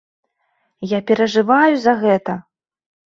Я перажываю за гэта.